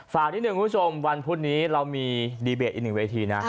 นิดหนึ่งคุณผู้ชมวันพุธนี้เรามีดีเบตอีกหนึ่งเวทีนะ